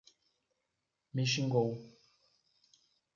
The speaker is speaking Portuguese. Me xingou.